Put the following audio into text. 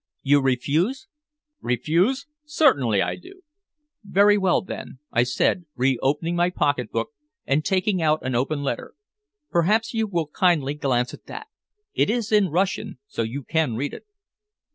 "You refuse?" "Refuse? Certainly I do!" "Very well, then," I said, re opening my pocket book and taking out an open letter. "Perhaps you will kindly glance at that. It is in Russian, so you can read it."